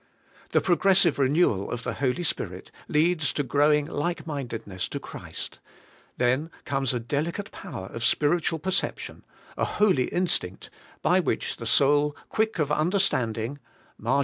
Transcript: The progressive renewal of the Holy Spirit leads to growing like mindedness to Christ; then comes a delicate power of spiritual perception, — a holy instinct, — by which the soul 'quick of under standing {marg.